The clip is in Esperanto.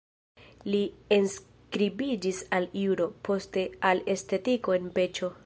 Li enskribiĝis al juro, poste al estetiko en Peĉo.